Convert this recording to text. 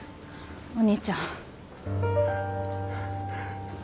お兄ちゃん。